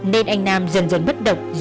nên anh nam dần dần bất động